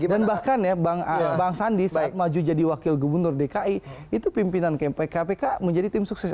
dan bahkan ya bang sandi saat maju jadi wakil gubernur dki itu pimpinan kpk menjadi tim sukses